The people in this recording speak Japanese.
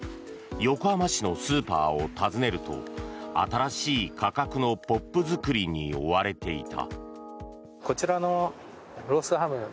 横浜市のスーパーを訪ねると新しい価格のポップ作りに追われていた。